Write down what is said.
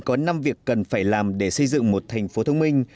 có năm việc cần phải làm để xây dựng một thành phố thông minh